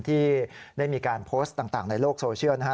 ที่ได้มีการโพสต์ต่างในโลกโซเชียลนะฮะ